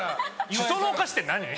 シソのお菓子って何？